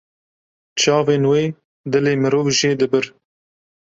Çavên wê dilê mirov jê dibir.